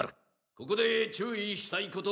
ここで注意したいこと。